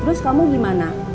terus kamu gimana